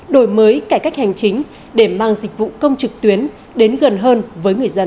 đổi mới cải cách hành chính để mang dịch vụ công trực tuyến đến gần hơn với người dân